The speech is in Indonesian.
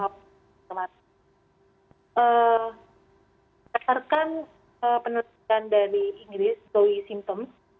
berdasarkan penelitian dari inggris zoe symptoms